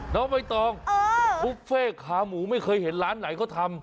น้องใบตองบุฟเฟ่ขาหมูไม่เคยเห็นร้านไหนเขาทำ